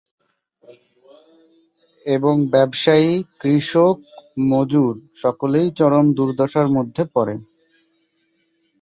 এবং ব্যবসায়ী, কৃষক, মজুর সকলেই চরম দুর্দশার মধ্যে পড়ে।